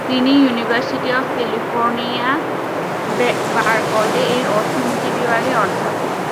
তিনি university of California, Berkeley এর অর্থনীতি বিভাগের অধ্যাপক।